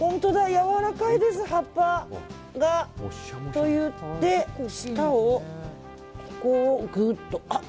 やわらかいです葉っぱが。といって、下をこうグッと。